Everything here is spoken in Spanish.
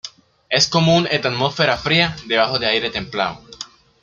Es común en atmósfera fría debajo de aire templado.